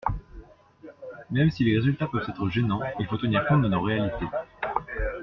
Même si les résultats peuvent être gênants, il faut tenir compte de nos réalités.